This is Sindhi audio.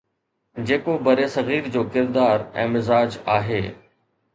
جيڪو برصغير جو ڪردار ۽ مزاج آهي.